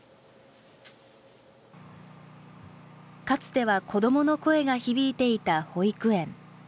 かつては子どもの声が響いていた保育園。